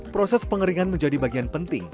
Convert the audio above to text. proses pengeringan menjadi bagian penting